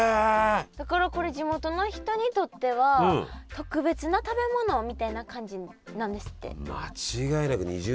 だからこれ地元の人にとっては特別な食べ物みたいな感じなんですって。